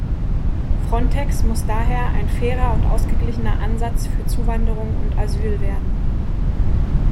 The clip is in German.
Frontex muss daher ein fairer und ausgeglichener Ansatz für Zuwanderung und Asyl werden.